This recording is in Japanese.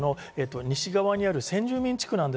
西側にある先住民地区。